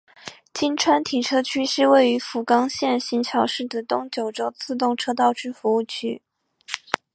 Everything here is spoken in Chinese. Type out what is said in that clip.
今川停车区是位于福冈县行桥市的东九州自动车道之服务区。